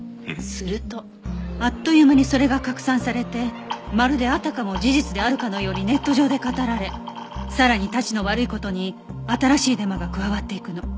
するとあっという間にそれが拡散されてまるであたかも事実であるかのようにネット上で語られさらにたちの悪い事に新しいデマが加わっていくの。